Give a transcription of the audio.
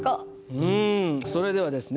うんそれではですね